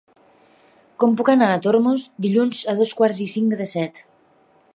Com puc anar a Tormos dilluns a dos quarts i cinc de set?